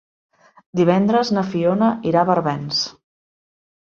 Divendres na Fiona irà a Barbens.